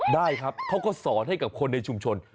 ได้ครับเขาก็สอนให้กับคนในชุมชน